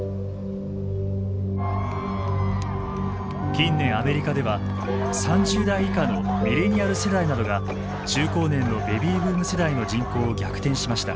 近年アメリカでは３０代以下のミレニアル世代などが中高年のベビーブーム世代の人口を逆転しました。